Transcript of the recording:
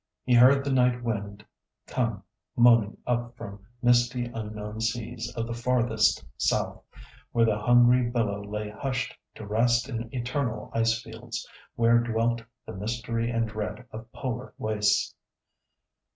He heard the night wind come moaning up from misty unknown seas of the farthest South, where the hungry billow lay hushed to rest in eternal ice fields, where dwelt the mystery and dread of polar wastes.